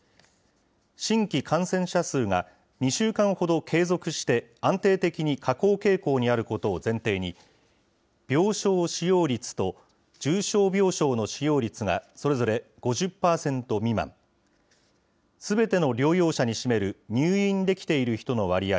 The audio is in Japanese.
新規感染者数が２週間ほど継続して安定的に下降傾向にあることを前提に、病床使用率と重症病床の使用率がそれぞれ５０％未満、すべての療養者に占める入院できている人の割合